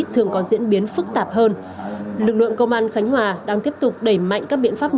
thường có diễn biến phức tạp hơn lực lượng công an khánh hòa đang tiếp tục đẩy mạnh các biện pháp